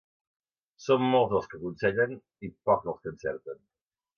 Són molts els que aconsellen i pocs els que encerten.